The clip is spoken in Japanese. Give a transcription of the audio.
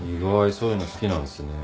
そういうの好きなんすね。